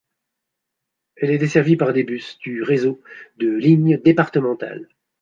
Elle est desservie par des bus du réseau de lignes départementales.